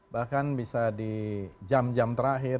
bahkan bisa di jam jam terakhir